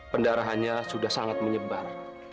pendarahannya sudah sangat menyebar